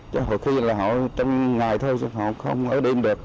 trong ngày thôi họ không ở đêm được